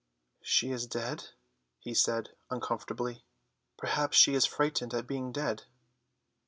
"She is dead," he said uncomfortably. "Perhaps she is frightened at being dead."